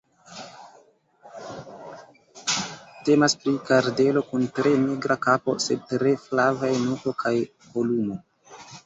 Temas pri kardelo kun tre nigra kapo, sed tre flavaj nuko kaj kolumo.